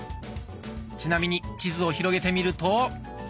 ちなみに地図を広げてみると。